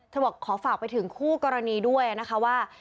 บอกขอฝากไปถึงคู่กรณีด้วยนะคะว่า